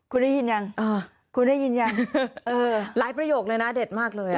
คุณได้ยินยังคุณได้ยินยังหลายประโยคเลยนะเด็ดมากเลย